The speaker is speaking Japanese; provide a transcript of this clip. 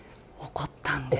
怒ったんです。